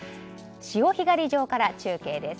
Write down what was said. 潮干狩り場から中継です。